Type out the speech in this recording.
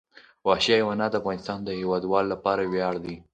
وحشي حیوانات د افغانستان د هیوادوالو لپاره ویاړ دی.